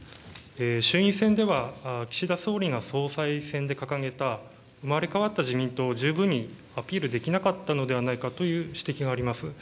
衆院選では、岸田総理が総裁選で掲げた、生まれ変わった自民党を十分にアピールできなかったのではないかという指摘があります。